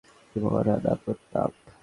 আপনি মহারানা প্রতাপ।